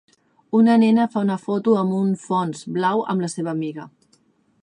Una nena fa una foto amb un fons blau amb la seva amiga.